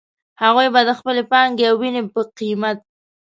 هغوی به د خپلې پانګې او وينې په قيمت.